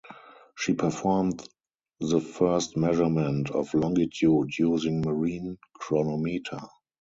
She performed the first measurement of longitude using Marine chronometer.